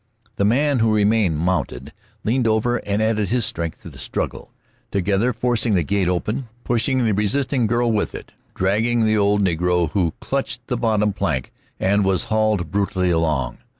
The man who remained mounted leaned over and added his strength to the struggle, together forcing the gate open, pushing the resisting girl with it, dragging the old negro, who clutched the bottom plank and was hauled brutally along.